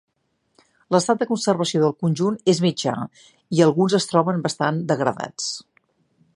L'estat de conservació del conjunt és mitjà, i alguns es troben bastant degradats.